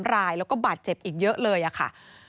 รายแล้วก็บาดเจ็บอีกเยอะเลยค่ะ